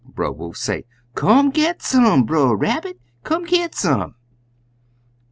Brer Wolf say, 'Come git some, Brer Rabbit! Come git some!'